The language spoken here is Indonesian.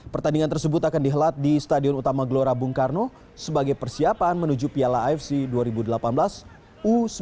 pertandingan tersebut akan dihelat di stadion utama gelora bung karno sebagai persiapan menuju piala afc dua ribu delapan belas u sembilan belas